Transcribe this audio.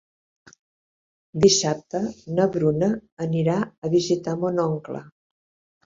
Dissabte na Bruna anirà a visitar mon oncle.